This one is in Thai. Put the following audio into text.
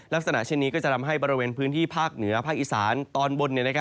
ลักษณะเช่นนี้ก็จะทำให้บริเวณพื้นที่ภาคเหนือภาคอีสานตอนบน